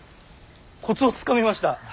コツをつかみました。